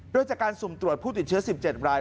โดยจากการสุ่มตรวจผู้ติดเชื้อ๑๗ราย